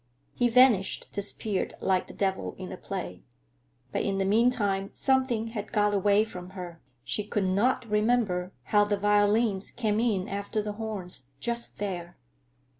He vanished, disappeared like the Devil in a play. But in the mean time something had got away from her; she could not remember how the violins came in after the horns, just there.